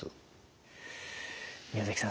宮崎さん